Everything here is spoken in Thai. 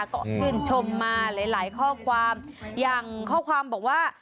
ก็ชื่นชมมาหลายหลายข้อความอย่างข้อความบอกว่า